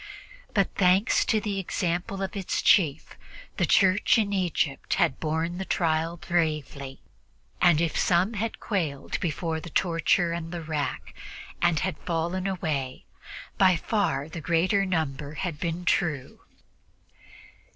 But, thanks to the example of its chief, the Church in Egypt had borne the trial bravely, and if some had quailed before the torture and the rack and had fallen away, by far the greater number had been true.